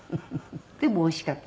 でもおいしかった。